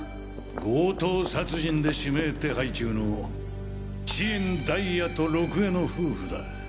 強盗殺人で指名手配中の知苑大哉と禄江の夫婦だ。